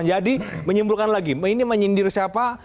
jadi menyimpulkan lagi ini menyindir siapa